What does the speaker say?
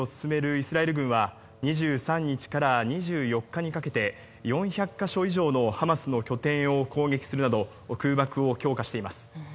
イスラエル軍は２３日から２４日にかけて４００か所以上のハマスの拠点を攻撃するなど空爆を強化しています。